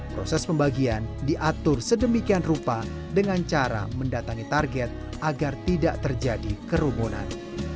proses pembagian diatur sedemikian rupa dengan cara mendatangi target agar tidak terjadi kerumunan